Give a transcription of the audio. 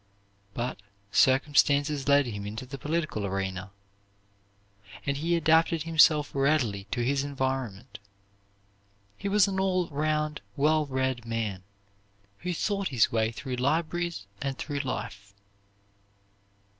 But, circumstances led him into the political arena, and he adapted himself readily to his environment. He was an all round well read man, who thought his way through libraries and through life.